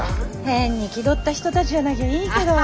変に気取った人たちじゃなきゃいいけど。